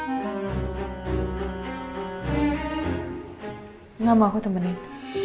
enggak mau aku temenin